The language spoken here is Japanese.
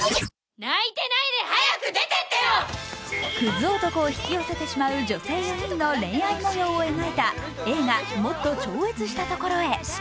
クズ男を引き寄せてしまう女性４人の恋愛模様を描いた映画「もっと超越した所へ」。